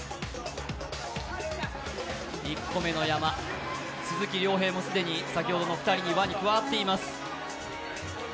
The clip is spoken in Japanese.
１個目の山、鈴木亮平も既に先ほどの２人に加わっています。